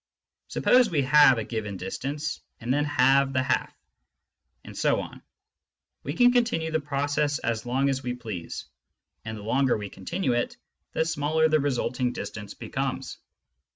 Suppose we halve a given distance, and then halve the half, and so on, we can continue the process as long as we please, and the longer we continue it, the smaller the resulting distance becomes.